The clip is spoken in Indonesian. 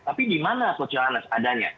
tapi gimana coach yannis adanya